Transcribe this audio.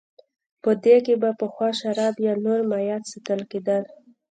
په دې کې به پخوا شراب یا نور مایعات ساتل کېدل